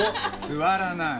座らない。